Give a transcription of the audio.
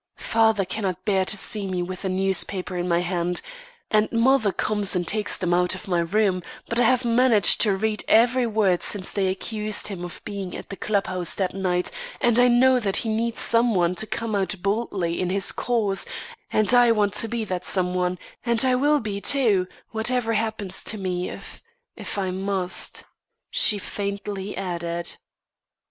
Father cannot bear to see me with a newspaper in my hand, and mother comes and takes them out of my room; but I have managed to read every word since they accused him of being at the club house that night, and I know that he needs some one to come out boldly in his cause, and I want to be that some one, and I will be, too, whatever happens to me, if if I must," she faintly added.